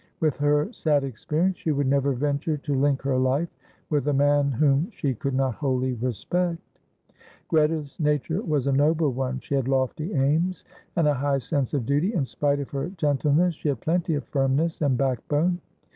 "With her sad experience she would never venture to link her life with a man whom she could not wholly respect." Greta's nature was a noble one. She had lofty aims and a high sense of duty. In spite of her gentleness she had plenty of firmness and backbone.